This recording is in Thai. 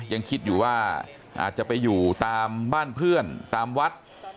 ยังคิดอยู่ว่าอาจจะไปอยู่ตามบ้านเพื่อนตามวัด